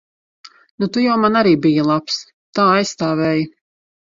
Nu, tu jau man arī biji labs. Tā aizstāvēji.